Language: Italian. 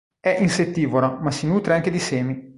È insettivora, ma si nutre anche di semi.